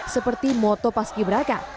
seperti moto paski beraka